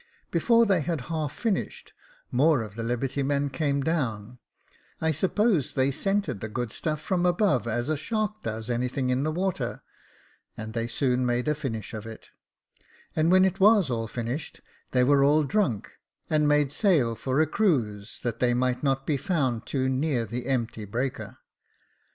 Before they had half finished, more of the liberty men came down ; I suppose they scented the good stuff from above as a shark does anything in the water, and they soon made a finish of it ; and when it was all finished, they were all drunk, and made sail for a cruise, that they might not be found too near the empty breaker.